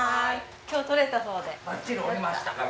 今日とれたそうで。